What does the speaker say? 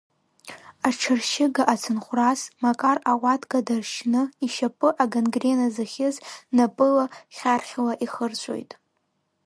Аҽыршьыга ацынхәрас, Макар ауатка даршьны, ишьапы агангрена зыхьыз, напыла, хьархьла ихырҵәоит.